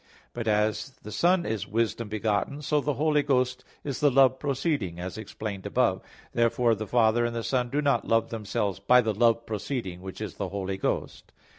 But as the Son is Wisdom begotten, so the Holy Ghost is the Love proceeding, as explained above (Q. 27, A. 3). Therefore the Father and the Son do not love Themselves by the Love proceeding, which is the Holy Ghost.